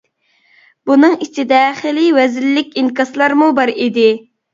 بۇنىڭ ئىچىدە خېلى ۋەزىنلىك ئىنكاسلارمۇ بار ئىدى.